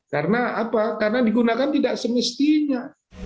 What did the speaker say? karena apa karena digunakan tidak semestinya